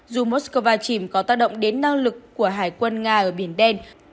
dù moscow chìm có tác động đến năng lực của hải quân nga ở biển đen